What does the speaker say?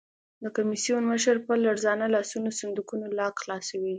د کمېسیون مشر په لړزانه لاسونو د صندوقونو لاک خلاصوي.